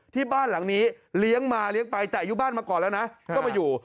ที่บ้านหลังนี้เลี้ยงมาเลี้ยงไปแต่อายุบ้านมาก่อนแล้วนะก็มาอยู่